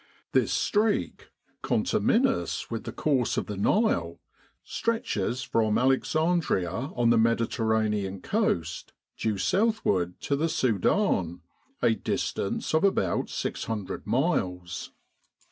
This streak, conterminous with the course of the Nile, stretches from Alexandria on the Mediterranean coast due southward to the Sudan, a distance of about 600 miles.